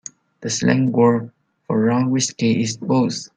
The slang word for raw whiskey is booze.